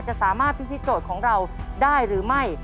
จะสามารถพิธีโจทย์ของเราได้หรือไม่